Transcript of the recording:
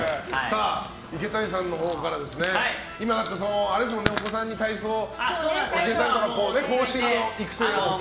池谷さんのほうから今、お子さんに体操を教えたりとか後進の育成を。